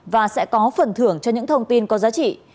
và sẽ có phần thưởng cho những thông tin có giá trị